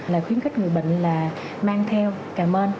là khuyến khích người bệnh là mang theo cảm ơn